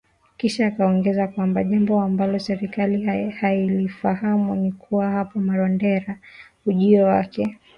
Kisha akaongeza kwamba jambo ambalo serikali hailifahamu ni kuwa hapa Marondera, ujio wake unatosha.